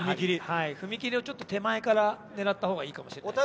踏み切りをちょっと手前から狙ったほうがいいかもしれないですね。